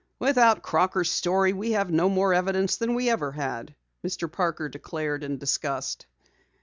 "Without Crocker's story we have no more evidence than we ever had," Mr. Parker declared in disgust.